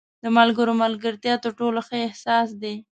• د ملګري ملګرتیا تر ټولو ښه احساس دی.